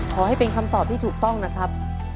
ขอให้เป็นคำตอบที่ถูกต้องนะครับ